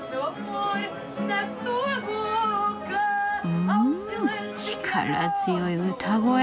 ・うん力強い歌声。